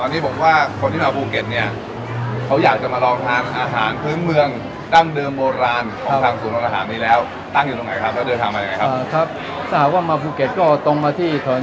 ตอนนี้ผมว่าคนที่มาภูเก็ตนี่เขาอยากจะมารอดล้านอาหารคือเมืองตั้งเดิมโบราณคุณศูนย์อาหารนี้แล้วตั้งอยู่ด้านไหนครับท่านมายังไงครับครับถ้าความมาภูเก็ตก็ตรงมาที่ถอน